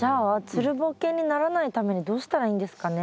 つるボケにならないためにどうしたらいいんですかね？